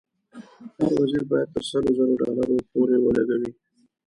هر وزیر باید تر سلو زرو ډالرو پورې ولګوي.